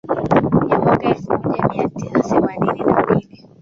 ya mwaka elfu moja mia tisa themanini na mbili